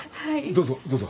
どうぞどうぞ。